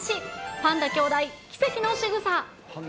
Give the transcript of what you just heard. パンダ兄弟、奇跡のしぐさ。